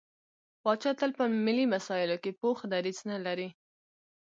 پاچا تل په ملي مسايلو کې پوخ دريځ نه لري.